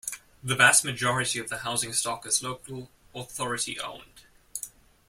The vast majority of the housing stock is local authority owned.